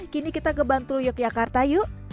kini kita ke bantul yogyakarta yuk